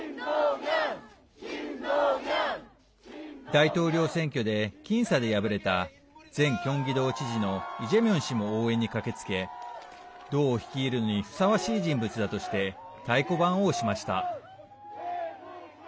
大統領選挙で僅差で敗れた前キョンギ道知事のイ・ジェミョン氏も応援に駆けつけ道を率いるのにふさわしい人物だとして太鼓判を押しました。